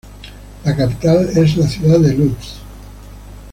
La capital es la ciudad de Lutsk.